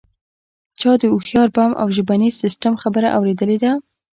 چا د هوښیار بم او ژبني سیستم خبره اوریدلې ده